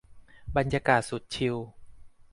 บรรยากาศสุดชิล